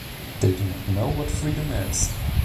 They do not know what freedom is!